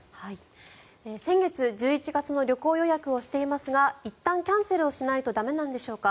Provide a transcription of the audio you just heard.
先月１１月の旅行予約をしていますがいったんキャンセルをしないと駄目なんでしょうか。